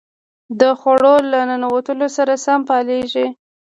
د خوړو له ننوتلو سره سم فعالېږي.